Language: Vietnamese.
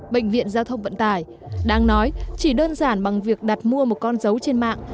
bệnh viện giao thông vận tải đang nói chỉ đơn giản bằng việc đặt mua một con dấu trên mạng